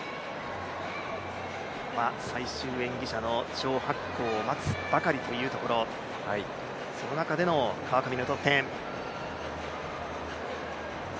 今、最終演技者の張博恒を待つばかりというところ、その中での川上の得点。